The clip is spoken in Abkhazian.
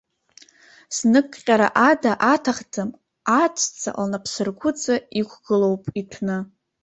Зныкҟьара ада аҭахӡам, аҵәца лнапсыргәыҵа иқәгылоуп иҭәны.